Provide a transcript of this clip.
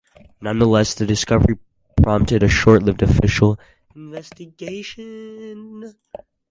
Nonetheless, the discovery prompted a short-lived official investigation.